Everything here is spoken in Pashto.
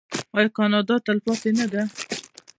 آیا کاناډا تلپاتې نه ده؟